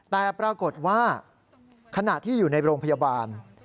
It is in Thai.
แต่ปรากฏว่าขณะที่อยู่ในโรงพยาบาล